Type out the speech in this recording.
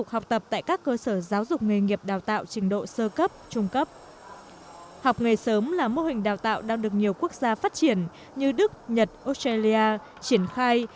học nghề sớm là mô hình đào tạo đang được nhiều quốc gia phát triển như đức nhật australia triển khai